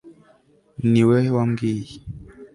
ni we wambwiye